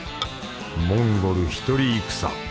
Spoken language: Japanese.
モンゴル独り戦。